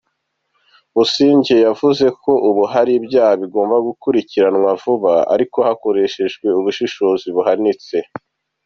Busingye yanavuze ko ubu hari ibyaha bigomba gukurikiranwa vuba ariko hakoreshejwe ubushishozi buhanitse.